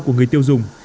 của người tiêu dùng